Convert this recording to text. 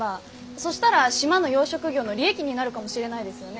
そしたら島の養殖業の利益になるかもしれないですよね。